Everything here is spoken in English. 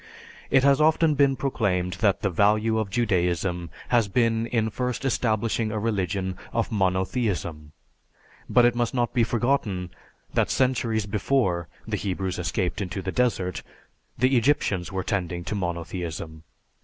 It has often been proclaimed that the value of Judaism has been in first establishing a religion of monotheism; but it must not be forgotten that centuries before the Hebrews escaped into the desert, the Egyptians were tending to monotheism.